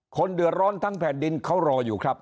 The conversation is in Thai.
คนเดือดร้อนทั้งแผ่นดินเขารออยู่ครับ